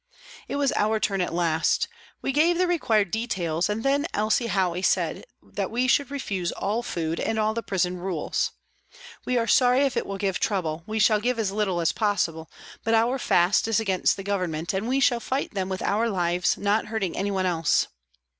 It was our turn at last. We gave the required details, and then Elsie Howey said that we should refuse all food and all the prison rules. " We are sorry if it will give trouble ; we shall give as little as possible; but our fast is against the Government, and we shall fight them with our lives, not hurting anyone else."